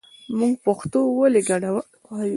مونږ پښتو ولې ګډه وډه وايو